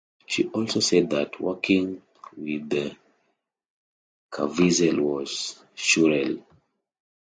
She also said that working with Caviezel was surreal.